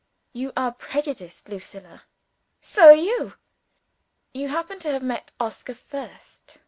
"You are prejudiced, Lucilla." "So are you!" "You happen to have met Oscar first."